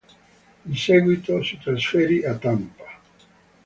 In seguito si trasferì a Tampa.